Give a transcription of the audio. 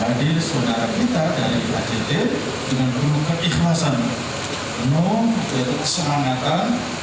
berada di saudara kita dari act dengan penuh keikhlasan penuh kesenangan